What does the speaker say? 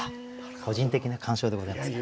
個人的な鑑賞でございますが。